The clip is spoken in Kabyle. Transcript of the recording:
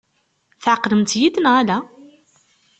Tɛeqlemt-iyi-d neɣ ala?